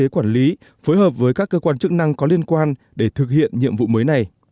quản lý phối hợp với các cơ quan chức năng có liên quan để thực hiện nhiệm vụ mới này